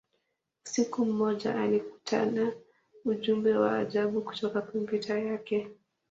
Usiku mmoja, alikutana ujumbe wa ajabu katika kompyuta yake.